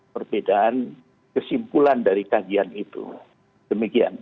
perbedaan kesimpulan dari kajian itu demikian